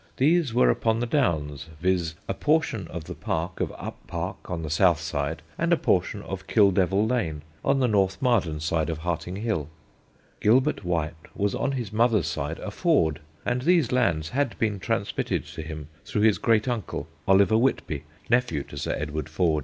These were upon the Downs, viz.: a portion of the Park of Uppark on the south side, and a portion of Kildevil Lane, on the North Marden side of Harting Hill. Gilbert White was on his mother's side a Ford, and these lands had been transmitted to him through his great uncle, Oliver Whitby, nephew to Sir Edward Ford."